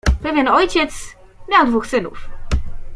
"Pewien ojciec miał dwóch synów."